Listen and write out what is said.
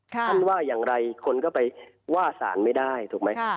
ท่านว่าอย่างไรคนก็ไปว่าสารไม่ได้ถูกไหม